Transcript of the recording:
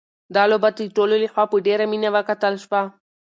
دا لوبه د ټولو لخوا په ډېره مینه وکتل شوه.